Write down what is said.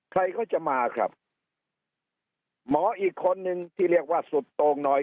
ใครเขาจะมาครับหมออีกคนนึงที่เรียกว่าสุดโต่งหน่อย